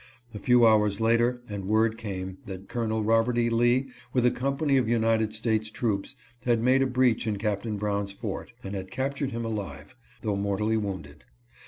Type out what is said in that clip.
A. few hours later and word came that Colonel Robert E. Lee with a com pany of United States troops had made a breach in Capt. Brown's fort, and had captured him alive, though mortally wounded.